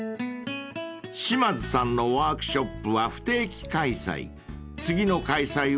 ［島津さんのワークショップは不定期開催］